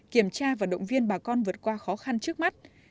kiểm tra và động viên bà con vượt qua khó khăn trước mắt